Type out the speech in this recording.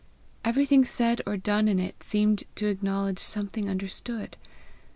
Everything said or done in it seemed to acknowledge something understood.